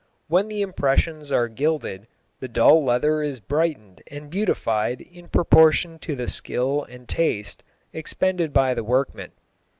When the impressions are gilded the dull leather is brightened and beautified in proportion to the skill and taste expended by the workman.